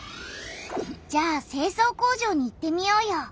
じゃあ清掃工場に行ってみようよ。